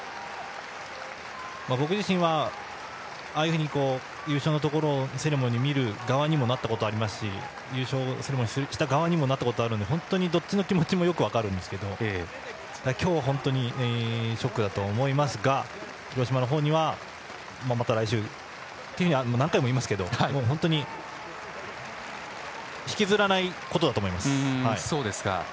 僕自身はああいう優勝セレモニーを見る側にもなったことはありますし優勝セレモニーをする側にもなったことがあるので本当にどっちの気持ちもよく分かるんですけど今日は本当にショックだと思いますが広島の方にはまた来週何回も言いますけど引きずらないことだと思います。